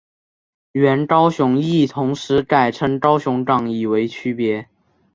原高雄驿同时改称高雄港以为区别。